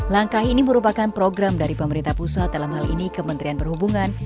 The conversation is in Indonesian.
langkah ini merupakan program dari pemerintah pusat dalam hal ini kementerian perhubungan